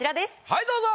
はいどうぞ。